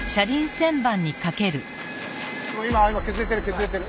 あ今削れてる削れてる。